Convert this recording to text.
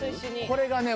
これがね